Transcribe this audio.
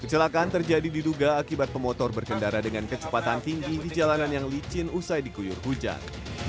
kecelakaan terjadi diduga akibat pemotor berkendara dengan kecepatan tinggi di jalanan yang licin usai diguyur hujan